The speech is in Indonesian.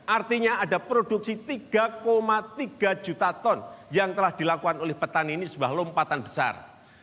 artinya ada produksi tiga tiga juta ton yang telah dilakukan oleh petani ini sebuah lompatan besar